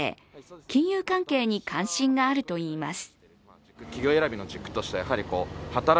金融関係に関心があるといいます。